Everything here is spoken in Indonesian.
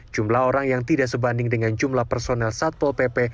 jumlah orang yang tidak sebanding dengan jumlah personel satpol pp